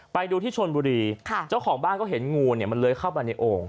ไปดูที่ชนบุรีเจ้าของบ้านก็เห็นงูเนี่ยมันเล้ยเข้าไปในโอ่ง